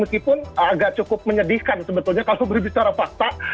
meskipun agak cukup menyedihkan sebetulnya kalau berbicara fakta